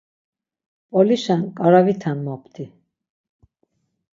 p̌olişen ǩaraviten mopti.